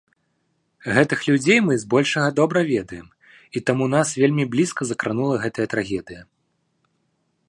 Гэтых людзей мы, збольшага, добра ведаем, і таму нас вельмі блізка закранула гэтая трагедыя.